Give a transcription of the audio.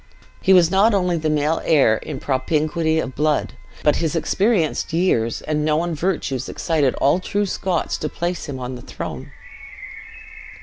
He was not only the male heir in propinquity of blood, but his experienced years and known virtues excited all true Scots to place him on the throne.